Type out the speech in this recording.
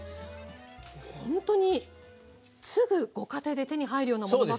ほんとにすぐご家庭で手に入るようなものばかり。